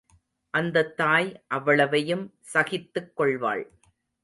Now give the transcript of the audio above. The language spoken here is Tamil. அந்தத் தாய் அவ்வளவையும் சகித்துக் கொள்வாள்.